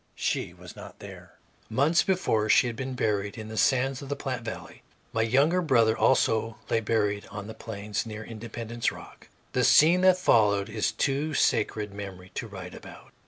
She was not there. Months before she had been buried in the sands of the Platte valley. My younger brother also lay buried on the Plains, near Independence Rock. The scene that followed is of too sacred memory to write about.